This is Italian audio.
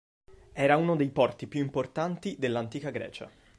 Era uno dei porti più importanti dell'antica Grecia.